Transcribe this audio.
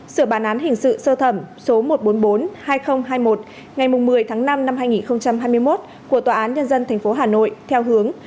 sửa bản án hình sự sơ thẩm số một trăm bốn mươi bốn hai nghìn hai mươi một ngày một mươi tháng năm năm hai nghìn hai mươi một của tòa án nhân dân tp hà nội theo hướng